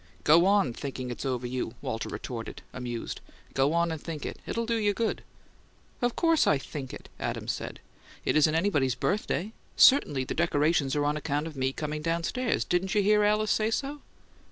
"Go on thinkin' it's over you," Walter retorted, amused. "Go on and think it. It'll do you good." "Of course I'll think it," Adams said. "It isn't anybody's birthday. Certainly the decorations are on account of me coming downstairs. Didn't you hear Alice say so?"